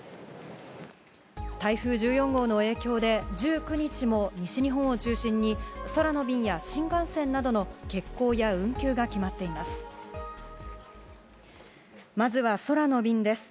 台風１４号の影響で、１９日も西日本を中心に、空の便や新幹線などの欠航や運休が決まっています。